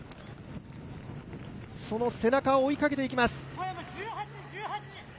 その背中を追いかけていきます。